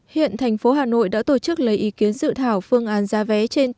hiện thành phố hà nội đã tổ chức lấy ý kiến dự thảo phương án ra vé